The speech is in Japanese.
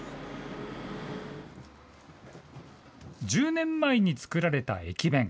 １０年前に作られた駅弁。